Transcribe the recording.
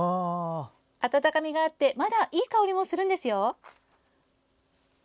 温かみがあってまだいい香りもするんですよ。